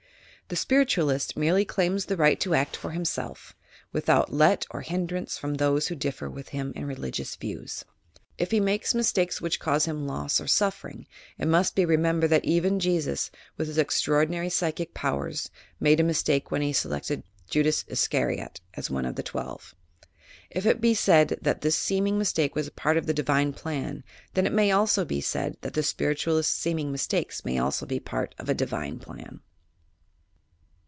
The Spirtualist merely claims the right to act for himself without let or hindrance from those who differ with him in religious views. If he makes mis takes which cause him loss or suffering, it must be re membered that even Jesus, with bis extraordinary psychic powers, made a mistake when he selected Judas Iscariot A PROPHECY VS. FORTUNE TELLING 279 as one of the twelve. If it be said, that this seeming mistake was a part of a divine plan, then it may also be said, that the Spiritualist's seeming mistakes may also be a part of a divine plan."